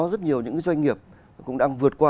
rất nhiều doanh nghiệp cũng đang vượt qua